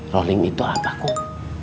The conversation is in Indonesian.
rolling itu apa kum